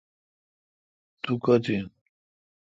تو کوتھ این۔